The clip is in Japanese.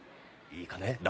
いいかね